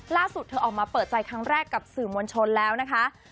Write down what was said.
เธอออกมาเปิดใจครั้งแรกกับสื่อมวลชนแล้วนะคะ